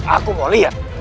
aku mau lihat